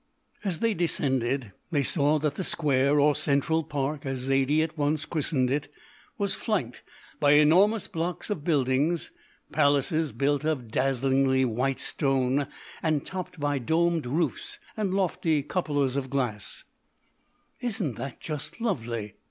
As they descended they saw that the square, or Central Park, as Zaidie at once christened it, was flanked by enormous blocks of buildings, palaces built of a dazzlingly white stone, and topped by domed roofs and lofty cupolas of glass. "Isn't that just lovely!"